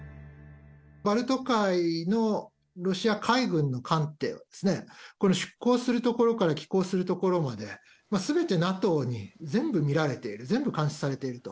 バルト海のロシア海軍の艦艇をですね、その出航するところから帰港するところまで、すべてＮＡＴＯに全部見られている、全部監視されていると。